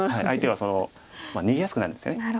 相手は逃げやすくなるんですよね。